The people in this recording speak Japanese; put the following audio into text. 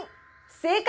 正解！